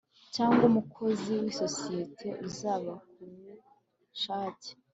cyangwa umukozi w isosiyete uzaba ku bushake